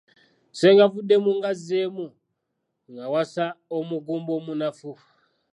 Ssengavuddemu ngazzeemu, ng’awasa omugumba omunafu.